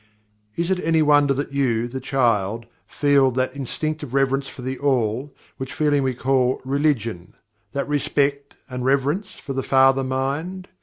Is it any wonder that You, the child, feel that instinctive reverence for THE ALL, which feeling we call "religion" that respect, and reverence for THE FATHER MIND?